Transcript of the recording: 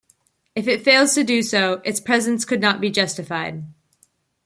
If it fails to do so its presence could not be justified.